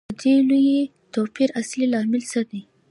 د دې لوی توپیر اصلي لامل څه دی